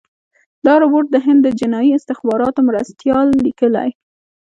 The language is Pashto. دا رپوټ د هند د جنايي استخباراتو مرستیال لیکلی.